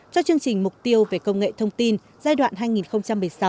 cho chương trình mục tiêu về công nghệ thông tin giai đoạn hai nghìn một mươi sáu hai nghìn hai mươi